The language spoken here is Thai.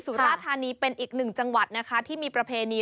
สุราธานีเป็นอีกหนึ่งจังหวัดนะคะที่มีประเพณี